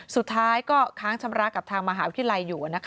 สุดท้ายก็ค้างชำระกับทางมหาวิทยาลัยอยู่